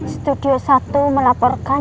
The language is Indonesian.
studio satu melaporkan